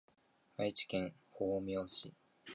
愛知県豊明市